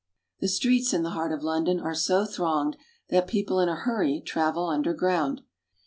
The streets in the heart of London are so thronged that people in a hurry travel under ground.